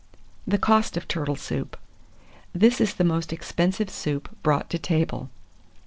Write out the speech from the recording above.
THE COST OF TURTLE SOUP. This is the most expensive soup brought to table.